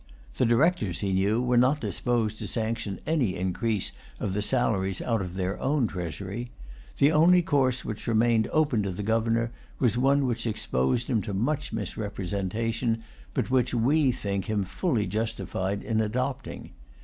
The Directors, he knew, were not disposed to sanction any increase of the salaries out of their own treasury. The only course which remained open to the governor was one which exposed him to much misrepresentation, but which we think him fully justified in adopting.